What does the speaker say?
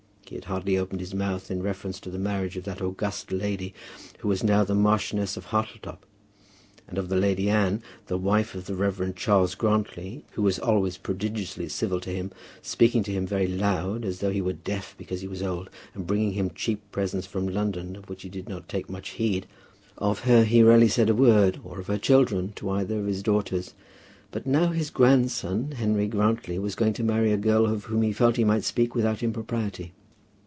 He had hardly opened his mouth in reference to the marriage of that August lady who was now the Marchioness of Hartletop. And of the Lady Anne, the wife of the Rev. Charles Grantly, who was always prodigiously civil to him, speaking to him very loud, as though he were deaf because he was old, and bringing him cheap presents from London of which he did not take much heed, of her he rarely said a word, or of her children, to either of his daughters. But now his grandson, Henry Grantly, was going to marry a girl of whom he felt that he might speak without impropriety.